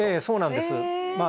そうなんです。